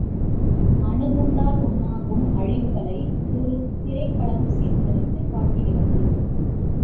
அணுகுண்டால் உண்டாகும் அழிவுகளை ஒரு திரைப்படம் சித்திரித்துக் காட்டுகிறது.